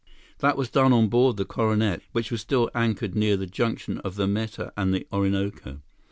That was done on board the Coronet, which was still anchored near the junction of the Meta and the Orinoco.